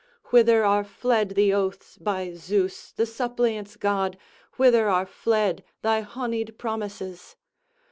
Whither are fled the oaths by Zeus the suppliants' god, whither are fled thy honied promises?